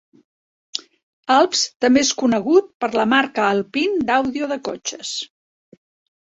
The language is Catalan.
Alps també és conegut per la marca Alpine d'àudio de cotxes.